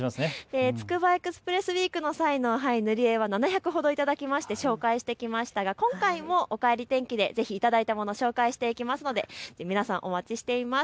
つくばエクスプレスウイークの際の塗り絵は７００程頂いて紹介してきましたが今回もおかえり天気でぜひ、いただいたもの紹介していきますので皆さん、お待ちしています。